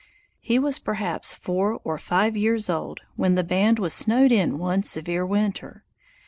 He was perhaps four or five years old when the band was snowed in one severe winter.